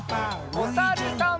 おさるさん。